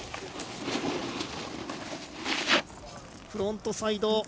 フロントサイド７２０。